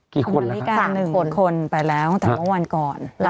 กี่คนละคะสามคนไปแล้วแต่ว่าวันก่อน